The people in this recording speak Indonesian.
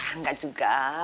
ya enggak juga